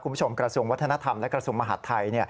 คุณผู้ชมกระทรวงวัฒนธรรมและกระทรวงมหาธัย